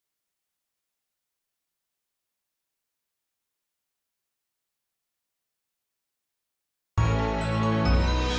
saya sudah melaporkannya arcade kita udah mohon